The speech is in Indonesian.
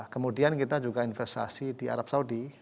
kemudian kita juga investasi di arab saudi